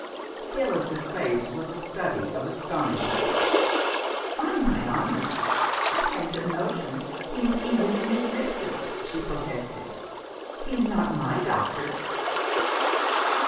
Phyllis's face was a study of astonishment. "On my honor, I hadn't a notion he was even in existence," she protested. "He's not my doctor!"